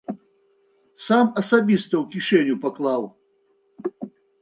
Сам асабіста ў кішэню паклаў.